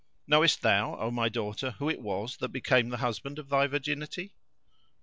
Knowest thou, O my daughter, who it was that became the husband of thy virginity?"